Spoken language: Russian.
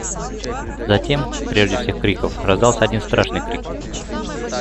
Затем, прежде всех криков, раздался один страшный крик.